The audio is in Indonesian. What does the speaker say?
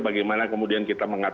bagaimana kemudian kita mencari